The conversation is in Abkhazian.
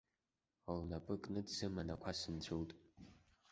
Лнапы кны дсыман ақәа сынцәылт.